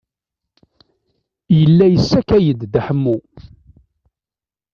Yella yessakay-d Dda Ḥemmu.